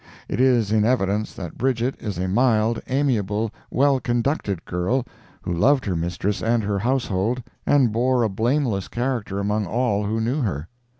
It is in evidence that Bridget is a mild, amiable, well conducted girl, who loved her mistress and her household, and bore a blameless character among all who knew her.